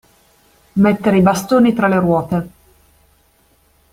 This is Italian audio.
Mettere i bastoni tra le ruote.